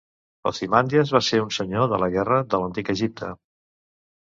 Ozymandias va ser un senyor de la guerra de l'Antic Egipte.